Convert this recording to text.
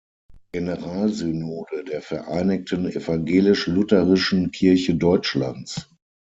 Generalsynode der vereinigten evangelisch-lutherischen Kirche Deutschlands.